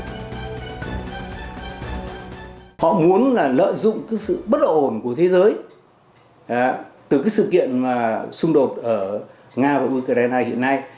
họ muốn lợi dụng sự bất ổn của thế giới từ sự kiện xung đột ở nga và ukraine hiện nay